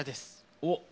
おっ！